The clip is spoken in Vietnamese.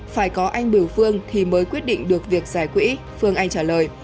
phải có anh bửu phương thì mới quyết định được việc giải quỹ phương anh trả lời